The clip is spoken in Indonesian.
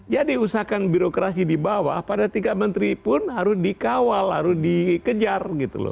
jadi usahakan birokrasi di bawah pada tingkat menteri pun harus dikawal harus dikejar